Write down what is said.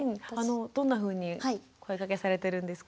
どんなふうに声かけされてるんですか？